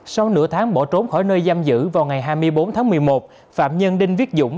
sau nửa tháng bỏ trốn khỏi nơi giam giữ vào ngày hai mươi bốn tháng một mươi một phạm nhân đinh viết dũng